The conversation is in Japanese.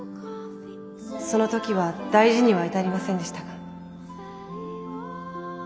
その時は大事には至りませんでしたが」。